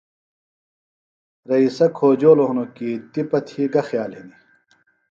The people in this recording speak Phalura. رئیسہ کھوجولوۡ ہِنوۡ کی تِپہ تھی گہ خیال ہِنیۡ